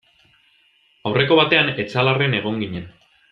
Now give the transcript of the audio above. Aurreko batean Etxalarren egon ginen.